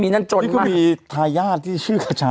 มีแต่หนี้สินค่ะ